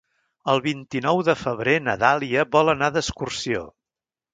El vint-i-nou de febrer na Dàlia vol anar d'excursió.